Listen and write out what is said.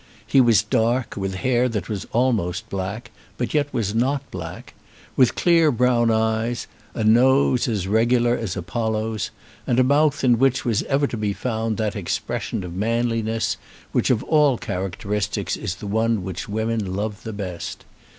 He was dark, with hair that was almost black, but yet was not black; with clear brown eyes, a nose as regular as Apollo's, and a mouth in which was ever to be found that expression of manliness, which of all characteristics is the one which women love the best.